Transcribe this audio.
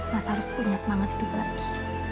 mas harus punya semangat hidup bagus